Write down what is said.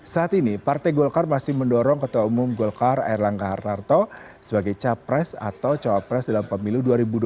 saat ini partai golkar masih mendorong ketua umum golkar air langga hartarto sebagai capres atau cawapres dalam pemilu dua ribu dua puluh